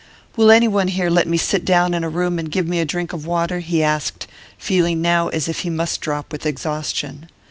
'Will anyone here let me sit down in a room and give me a drink of water?' he asked, feeling now as if he must drop with exhaustion.